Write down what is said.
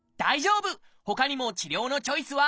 ほかにも治療のチョイスはあります！